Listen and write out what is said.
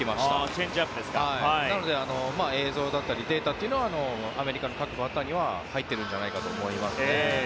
なので映像だったりデータというのはアメリカの各バッターには入っているんじゃないかと思います。